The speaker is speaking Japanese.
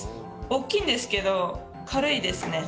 おっきいんですけど、軽いですね。